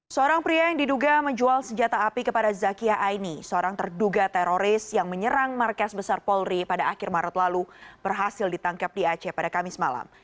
seorang pria yang diduga menjual senjata api kepada zakia aini seorang terduga teroris yang menyerang markas besar polri pada akhir maret lalu berhasil ditangkap di aceh pada kamis malam